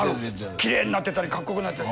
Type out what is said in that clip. きれいになってたりかっこよくなってたり。